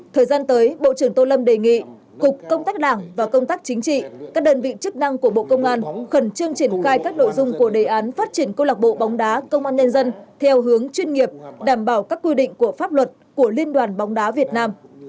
thời gian tới bộ trưởng tô lâm đề nghị cục công tác đảng và công tác chính trị các đơn vị chức năng của bộ công an khẩn trương triển khai các nội dung của đề án phát triển công lạc bộ bóng đá công an nhân dân theo hướng chuyên nghiệp đảm bảo các quy định của pháp luật của liên đoàn bóng đá việt nam